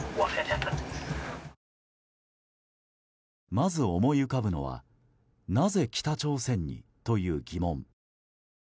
まず思い浮かぶのはなぜ北朝鮮にという疑問。